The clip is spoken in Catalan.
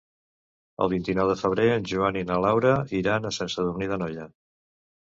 El vint-i-nou de febrer en Joan i na Laura iran a Sant Sadurní d'Anoia.